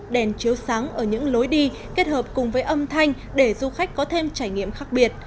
đèn chiếu sáng ở những lối đi kết hợp cùng với âm thanh để du khách có thêm trải nghiệm khác biệt